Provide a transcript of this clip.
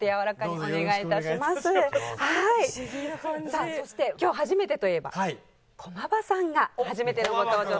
さあそして今日初めてといえば駒場さんが初めてのご登場という事で。